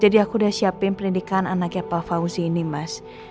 jadi aku udah siapin pendidikan anaknya pak fauzi ini mas